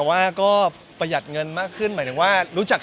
ก็ด้วยครับและความจนน่ากลัวครับ